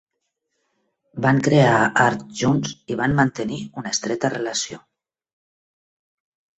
Van crear art junts i van mantenir una estreta relació.